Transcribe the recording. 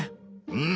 うん。